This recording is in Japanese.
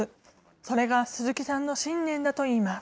それが鈴木さんの信念だといいます。